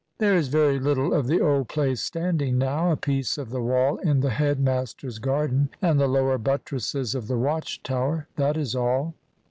There is very little of the old place standing now. A piece of the wall in the head master's garden and the lower buttresses of the watch tower, that is all.